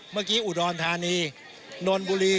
เมื่อกี้อุดรธานีโนนบุรี